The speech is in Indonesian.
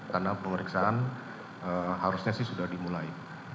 karena pemeriksaan harusnya sih sudah dimulai